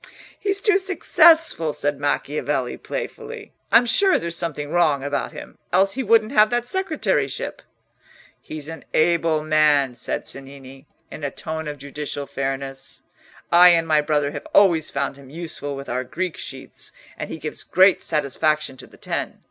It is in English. "He's too successful," said Macchiavelli, playfully. "I'm sure there's something wrong about him, else he wouldn't have that secretaryship." "He's an able man," said Cennini, in a tone of judicial fairness. "I and my brother have always found him useful with our Greek sheets, and he gives great satisfaction to the Ten.